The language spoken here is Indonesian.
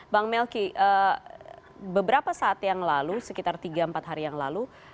bang melki beberapa saat yang lalu sekitar tiga empat hari yang lalu